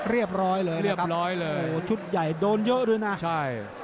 เรียบร้อยเลยเรียบร้อยเลยโอ้โหชุดใหญ่โดนเยอะด้วยนะใช่